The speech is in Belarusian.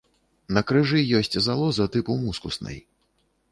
На крыжы ёсць залоза тыпу мускуснай.